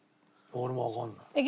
俺もわかんない。